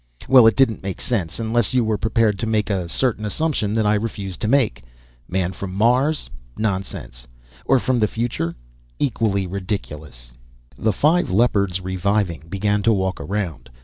Well, it didn't make sense, unless you were prepared to make a certain assumption that I refused to make. Man from Mars? Nonsense. Or from the future? Equally ridiculous.... Then the five Leopards, reviving, began to walk around.